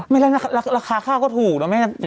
ไม่แล้วราคาข้าก็ถูกเนอะแม่